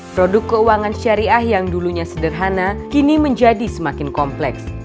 produk keuangan syariah yang dulunya sederhana kini menjadi semakin kompleks